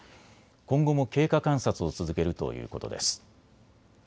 今後も経過観察を続けるということです。